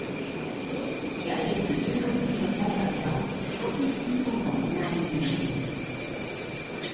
来月１５日の裁判では被告人質問が行われる予定です。